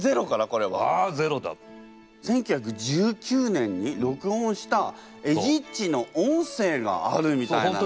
１９１９年に録音したエジっちの音声があるみたいなの。